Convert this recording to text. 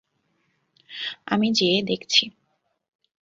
আমি যেয়ে দেখছি।